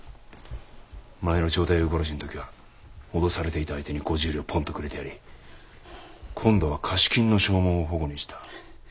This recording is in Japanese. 前の蝶太夫殺しの時は脅されていた相手に５０両ポンとくれてやり今度は貸金の証文を反故にした。